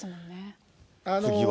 次は。